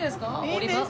「降りまーす！」